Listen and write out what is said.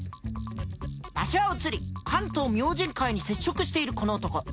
場所は移り関東明神会に接触しているこの男。